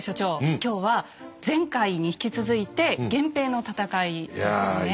今日は前回に引き続いて「源平の戦い」ですね。